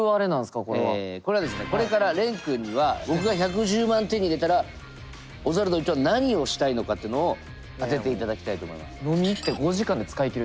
これはですねこれから廉君には僕が１１０万手に入れたらオズワルド伊藤は何をしたいのかってのを当てていただきたいと思います。